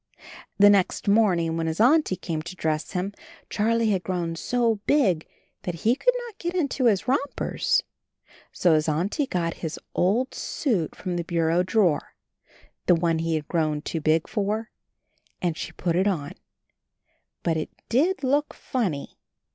The next morning when his Auntie came to dress him, Charlie had grown so big that he could not get into his rompers. So his Auntie got his old suit from the bureau drawer, the one he had grown too big for, and she put it on — but it did look funny!